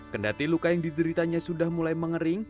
kendati luka yang dideritanya sudah mulai mengering